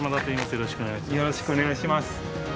よろしくお願いします。